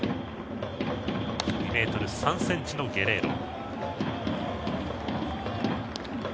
２ｍ３ｃｍのゲレーロ。